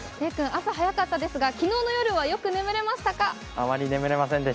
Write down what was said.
礼君、朝早かったですが、昨日の夜はよく眠れましたか？